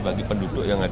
bagi penduduk yang terbakar